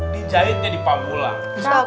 dijahit jadi pambulang